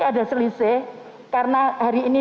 ada selisih karena hari ini